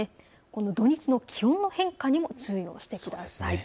土日の気温の変化にも注意をしてください。